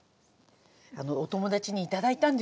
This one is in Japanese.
お友達に頂いたんですよ。